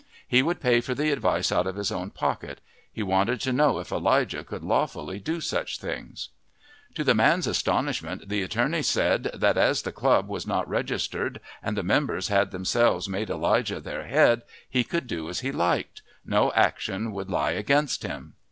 He would pay for the advice out of his own pocket; he wanted to know if Elijah could lawfully do such things. To the man's astonishment the attorney said that as the club was not registered and the members had themselves made Elijah their head he could do as he liked no action would lie against him.